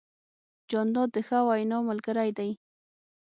جانداد د ښه وینا ملګری دی.